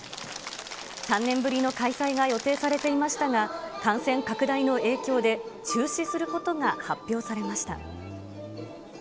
３年ぶりの開催が予定されていましたが、感染拡大の影響で、中止することが発表されました。